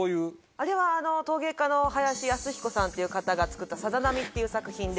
あれは陶芸家の林寧彦さんっていう方が作った漣っていう作品で。